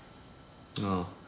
ああ。